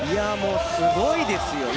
すごいですよね。